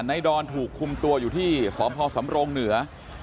ดอนถูกคุมตัวอยู่ที่สพสำรงเหนือ